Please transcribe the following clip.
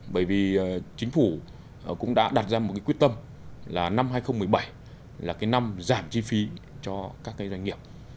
bởi vì chính phủ cũng đã đặt ra một cái quyết tâm là năm hai nghìn một mươi bảy là cái năm giảm chi phí cho các cái doanh nghiệp